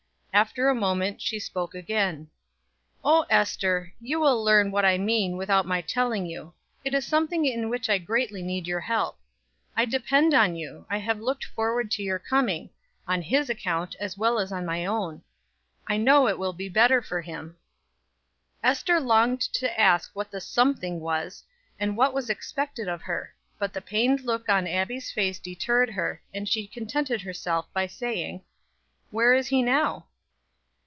After a moment she spoke again: "Oh, Ester, you will learn what I mean without my telling you; it is something in which I greatly need your help. I depend upon you; I have looked forward to your coming, on his account as well as on my own. I know it will be better for him." Ester longed to ask what the "something" was, and what was expected of her; but the pained look on Abbie's face deterred her, and she contented herself by saying: "Where is he now?"